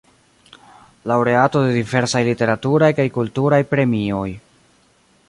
Laŭreato de diversaj literaturaj kaj kulturaj premioj.